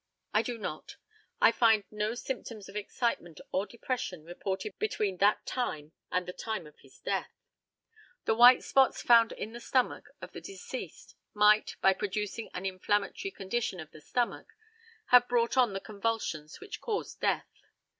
I do not. I find no symptoms of excitement or depression reported between that time and the time of his death. The white spots found in the stomach of the deceased might, by producing an inflammatory condition of the stomach, have brought on the convulsions which caused death.